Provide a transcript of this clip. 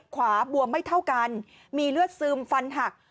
ขวาบวมไม่เท่ากันมีเลือดซึมฟันหัก